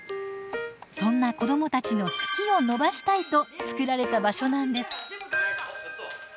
そんな子どもたちの「好き」を伸ばしたいと作られた場所なんです。